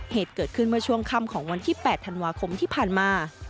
เหตุเกิดขึ้นเมื่อช่วงค่ำของวันที่๘ธันวาคมที่ผ่านมา